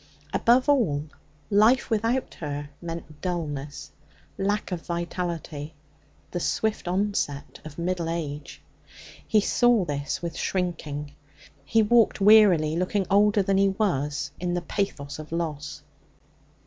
Above all, life without her meant dullness, lack of vitality, the swift onset of middle age. He saw this with shrinking. He walked wearily, looking older than he was in the pathos of loss.